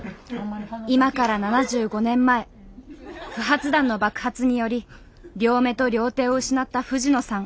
今から７５年前不発弾の爆発により両目と両手を失った藤野さん。